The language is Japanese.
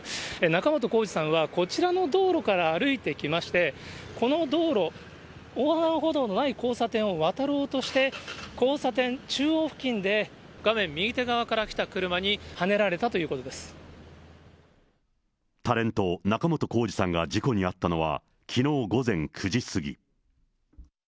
仲本工事さんは、こちらの道路から歩いてきまして、この道路、横断歩道のない交差点を渡ろうとして、交差点中央付近で画面右手側から来た車にはねられたということでタレント、仲本工事さんが事故に遭ったのはきのう午前９時過ぎ。